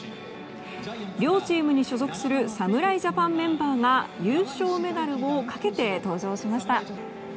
両チームに所属する侍ジャパンメンバーが優勝メダルをかけて登場しました。